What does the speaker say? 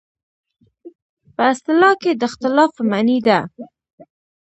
په اصطلاح کې د اختلاف په معنی ده.